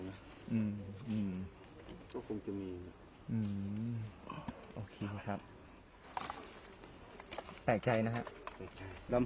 อืมอืมก็คงจะมีอืมโอเคครับแปลกใจนะฮะแปลกใจลำ